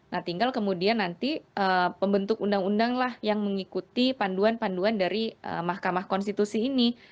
nah tinggal kemudian nanti pembentuk undang undang lah yang mengikuti panduan panduan dari mahkamah konstitusi ini